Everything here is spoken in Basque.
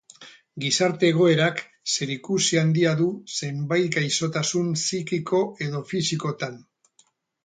Gizarte-egoerak zerikusi handia du zenbait gaixotasun psikiko edo fisikotan.